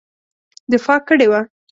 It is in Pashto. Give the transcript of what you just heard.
دفاع کړې وه.